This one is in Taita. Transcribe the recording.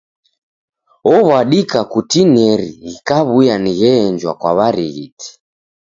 Ow'adika kutineri ghikaw'uya ni gheenjwa kwa w'arighiti.